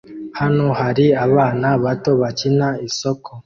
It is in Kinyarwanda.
Hano hari abana bato bakina isoko